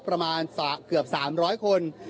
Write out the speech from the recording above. ประมาณเกือบสามร้อยคน